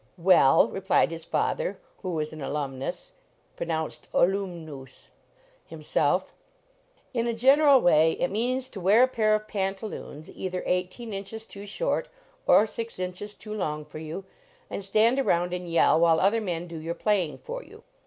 "Well," replied his father, who was an alumnus (pronounced ahloomnoose) himself, " in a general way it means to wear a pair of pantaloons cither eighteen inches too short or 61 LEARNING TO PLAY six inches too long for you, and stand around and yell while other men do your playing for you.